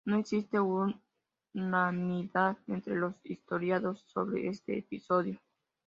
No existe unanimidad entre los historiadores sobre este episodio.